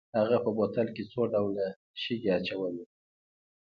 هغه په بوتل کې څو ډوله شګې اچولې.